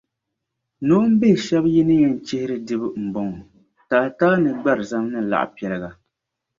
Noombihi shɛb’ yi ni yɛn chihiri dibu m-bɔŋɔ: taataa ni gbarizam ni laɣipiɛliga.